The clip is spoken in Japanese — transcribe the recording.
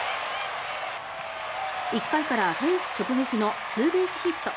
１回から、フェンス直撃のツーベースヒット。